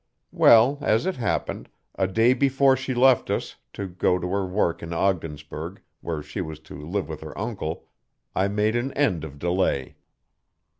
Well, as it happened, a day before she left us, to go to her work in Ogdensburg, where she was to live with her uncle, I made an end of delay.